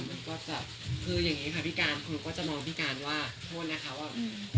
มันก็จะคืออย่างเงี้ยค่ะพี่การคนก็จะมองพี่การว่าโทษนะเขาอ่ะอืม